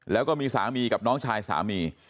แล้วก็มีสามีกับน้องชายสามี